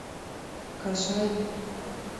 Кажай!